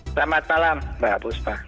selamat malam mbak buspa